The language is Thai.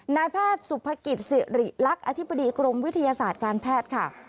นายแพทย์สุภกิจสิริลักษณ์อธิบดีกรมวิทยาศาสตร์การแพทย์ค่ะ